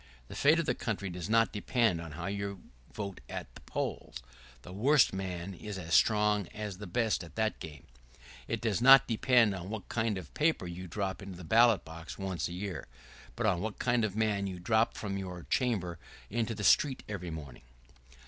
The fate of the country does not depend on how you vote at the polls — the worst man is as strong as the best at that game; it does not depend on what kind of paper you drop into the ballot box once a year, but on what kind of man you drop from your chamber into the street every morning.